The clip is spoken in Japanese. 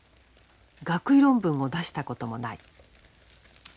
学位論文も出したこともない。